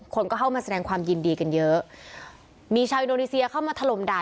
คนก็เข้ามาแสดงความยินดีกันเยอะมีชาวอินโดนีเซียเข้ามาถล่มด่า